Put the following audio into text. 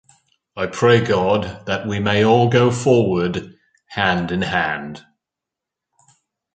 I pray God that we may all go forward hand in hand.